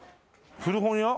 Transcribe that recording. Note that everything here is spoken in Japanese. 古本屋？